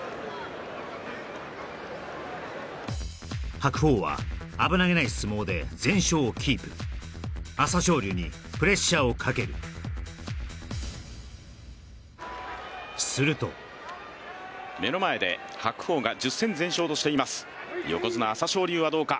白鵬は危なげない相撲で全勝をキープ朝青龍にプレッシャーをかけるすると目の前で白鵬が１０戦全勝としています横綱・朝青龍はどうか？